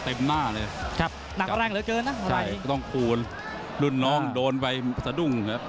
เต็มหน้าเลยครับหนักแรงเหลือเกินนะใช่ต้องคูณรุ่นน้องโดนไปสะดุ้งครับ